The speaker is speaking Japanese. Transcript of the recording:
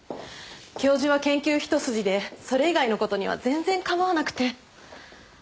教授は研究一筋でそれ以外の事には全然構わなくて。